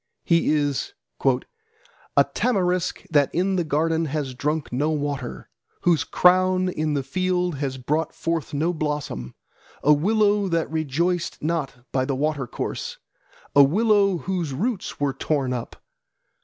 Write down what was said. He is "A tamarisk that in the garden has drunk no water, Whose crown in the field has brought forth no blossom. A willow that rejoiced not by the watercourse, A willow whose roots were torn up.